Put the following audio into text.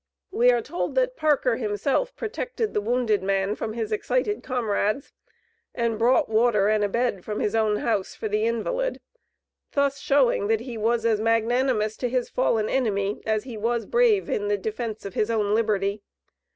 We are told that Parker himself protected the wounded man from his excited comrades, and brought water and a bed from his own house for the invalid, thus showing that he was as magnanimous to his fallen enemy as he was brave in the defence of his own liberty.